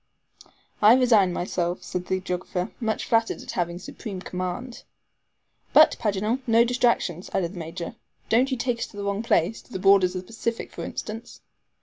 "I resign myself," said the geographer, much flattered at having supreme command. "But mind, Paganel, no distractions," added the Major. "Don't you take us to the wrong place to the borders of the Pacific, for instance."